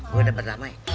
gue udah berdamai